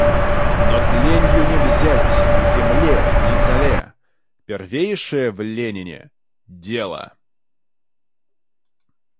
Но тленью не взять — ни земле, ни золе — первейшее в Ленине — дело.